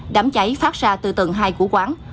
đám cháy phát ra từ tầng hai của quán